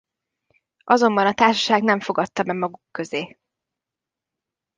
Azonban a társaság nem fogadta be maguk közé.